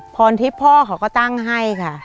พรทิพย์พ่อเขาก็ตั้งให้ค่ะ